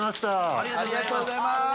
ありがとうございます。